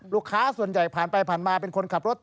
ลูกค้าส่วนใหญ่ผ่านไปผ่านมาเป็นคนขับรถ